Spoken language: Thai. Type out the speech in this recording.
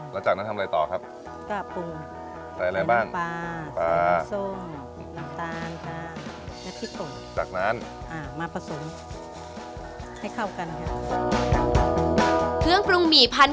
แล้วจากนั้นทำอะไรต่อครับ